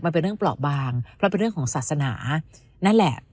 มันเป็นเรื่องเปราะบางเพราะเป็นเรื่องของศาสนานั่นแหละ